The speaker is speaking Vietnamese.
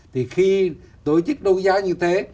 thì khi tổ chức đấu giá như thế